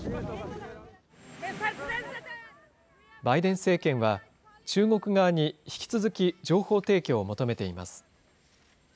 バイデン政権は、中国側に引き続き情報提供を求めています。